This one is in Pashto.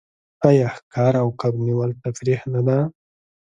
آیا ښکار او کب نیول تفریح نه ده؟